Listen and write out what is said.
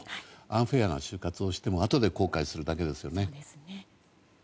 アンフェアな就活をしてもあとで後悔するだけですよね。